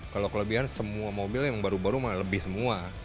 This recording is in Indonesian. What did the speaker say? kalau kelebihan semua mobil yang baru baru lebih semua